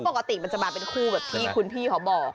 ปกติมันจะมาเป็นคู่แบบที่คุณพี่เขาบอก